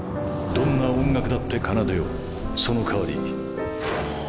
どんな音楽だって奏でようその代わり。